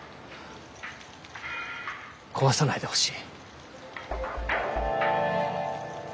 壊さないでほしい。